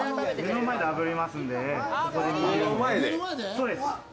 どうです？